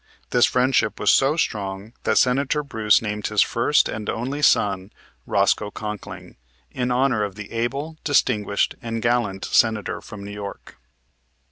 This friendship was so strong that Senator Bruce named his first and only son Roscoe Conkling, in honor of the able, distinguished, and gallant Senator from New York.